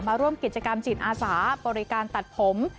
มาร่วมกิจกรรมจิตอาสาบริการตัดผม